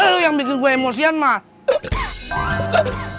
lu yang bikin gue emosian mat